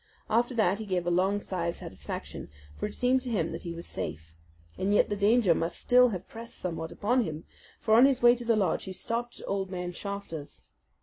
After that he gave a long sigh of satisfaction; for it seemed to him that he was safe. And yet the danger must still have pressed somewhat upon him; for on his way to the lodge he stopped at old man Shafter's.